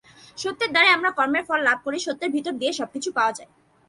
সত্যের দ্বারাই আমরা কর্মের ফল লাভ করি, সত্যের ভিতর দিয়াই সবকিছু পাওয়া যায়।